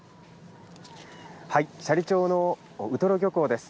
斜里町のウトロ漁港です。